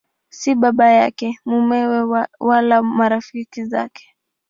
Si baba yake, mumewe wala marafiki zake.